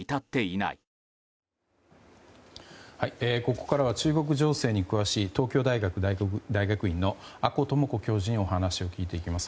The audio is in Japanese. ここからは中国情勢に詳しい東京大学大学院の阿古智子教授にお話を聞いていきます。